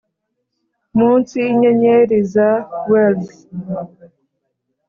munsi yinyenyeri za wales